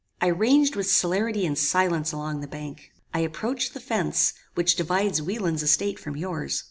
I ranged with celerity and silence along the bank. I approached the fence, which divides Wieland's estate from yours.